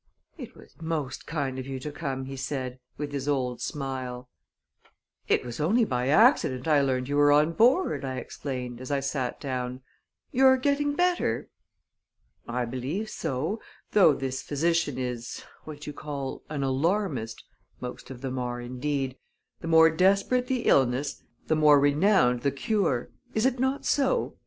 "It was most kind of you to come," he said, with his old smile. "It was only by accident I learned you were on board," I explained, as I sat down. "You're getting better?" "I believe so; though this physician is what you call an alarmist most of them are, indeed; the more desperate the illness, the more renowned the cure! Is it not so?